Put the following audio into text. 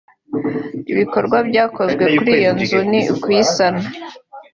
Ibikorwa byakozwe kuri iyo nzu ni ukuyisana